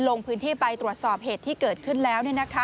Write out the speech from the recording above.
ลงพื้นที่ไปตรวจสอบเหตุที่เกิดขึ้นแล้ว